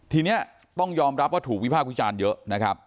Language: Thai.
ทีนี้ต้องยอมรับว่าถูกวิพากษ์วิจารณ์เยอะนะครับ